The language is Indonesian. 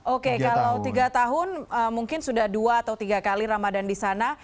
oke kalau tiga tahun mungkin sudah dua atau tiga kali ramadan di sana